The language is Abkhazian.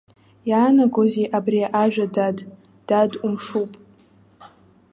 Иаанагозеи абри ажәа дад, дад умшуп?